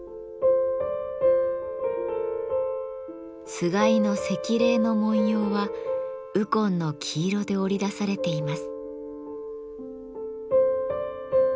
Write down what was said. つがいのセキレイの紋様は鬱金の黄色で織り出されています。